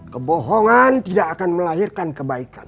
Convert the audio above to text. kebohongan tidak akan melahirkan kebaikan